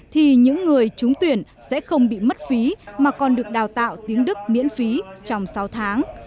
thì những người trúng tuyển sẽ không bị mất phí mà còn được đào tạo tiếng đức miễn phí trong sáu tháng